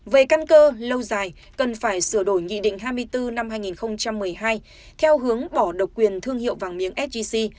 về căn cơ lâu dài cần phải sửa đổi nghị định hai mươi bốn năm hai nghìn một mươi hai theo hướng bỏ độc quyền thương hiệu vàng miếng sgc